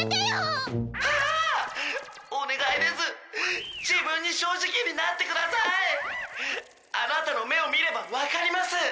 「アナタの目を見ればわかります」